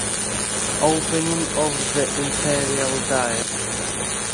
Opening of the Imperial diet.